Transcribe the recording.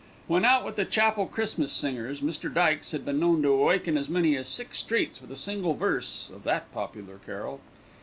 When out with the Chapel Christmas singers, Mr. Dykes had been known to awaken as many as six streets with a single verse of that popular carol.